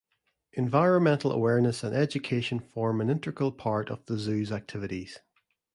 Environmental awareness and education form an integral part of the zoo's activities.